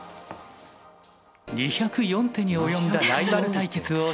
２０４手に及んだライバル対決を制しました。